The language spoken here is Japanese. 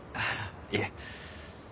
いえ。